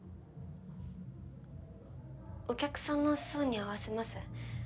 お客さんの層に合わせます